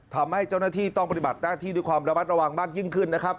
ทำให้เจ้านาทีต้องปฏิบัติหน้าที่ด้วยความระวังยิ่งขึ้น